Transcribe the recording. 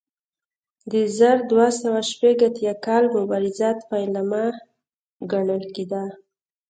د زر دوه سوه شپږ اتیا کال مبارزات پیلامه ګڼل کېده.